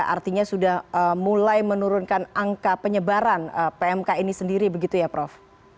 artinya sudah mulai menurunkan angka penyebaran pmk ini sendiri begitu ya prof